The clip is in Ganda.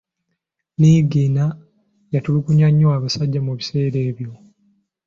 Niigiina yatulugunya nnyo abasajja mu biseera ebyo.